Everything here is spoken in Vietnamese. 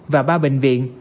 và ba bệnh viện